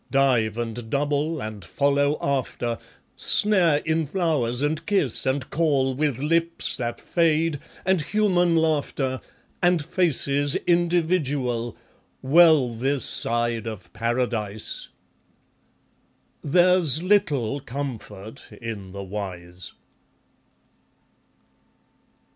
Dive and double and follow after, Snare in flowers, and kiss, and call, With lips that fade, and human laughter And faces individual, Well this side of Paradise! ... There's little comfort in the wise.